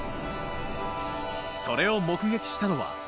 それを目撃したのは。